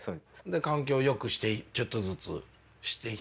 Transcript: で環境をよくしてちょっとずつしていきたいと。